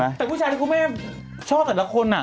แต่ผู้ชายที่คุณแม่ชอบแต่ละคน